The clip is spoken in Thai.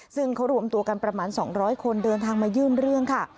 ซึ่งเขารวมตัวกันประมาณ๒๐๐คนเดินทางมายื่นเรื่องค่ะ